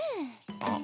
あっ？